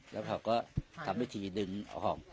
แล้วเขาก็ทำวิธีดึงของ